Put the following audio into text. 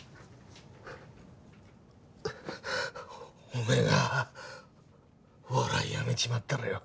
おめえがお笑いやめちまったらよ。